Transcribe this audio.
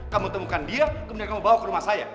kamu temukan dia kemudian kamu bawa ke rumah saya